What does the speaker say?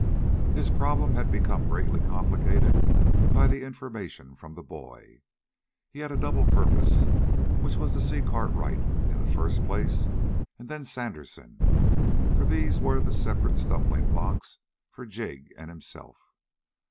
His problem had become greatly complicated by the information from the boy. He had a double purpose, which was to see Cartwright in the first place, and then Sandersen, for these were the separate stumbling blocks for Jig and for himself.